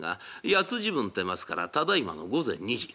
八つ時分ってますからただいまの午前２時。